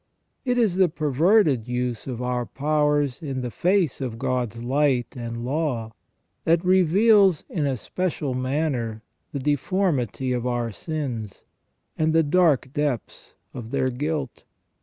It is the perverted use of our powers in the face of God's light and law that reveals in a special manner the deformity of our sins, and the dark depths of their guilt.